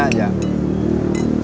santai aja napa